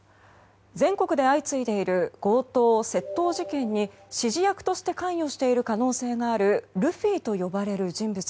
全国で相次いでいる強盗・窃盗事件に指示役として関与している可能性があるルフィと呼ばれる人物。